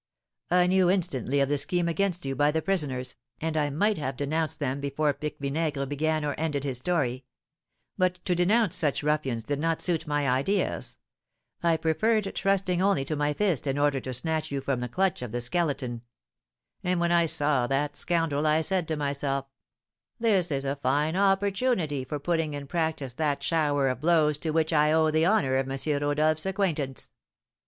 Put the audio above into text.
"I knew instantly of the scheme against you by the prisoners, and I might have denounced them before Pique Vinaigre began or ended his story; but to denounce such ruffians did not suit my ideas, I preferred trusting only to my fist in order to snatch you from the clutch of the Skeleton; and when I saw that scoundrel I said to myself, 'This is a fine opportunity for putting in practice that shower of blows to which I owe the honour of M. Rodolph's acquaintance.'"